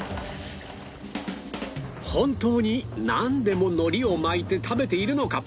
本当になんでも海苔を巻いて食べているのか？